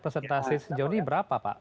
presentasi sejauh ini berapa pak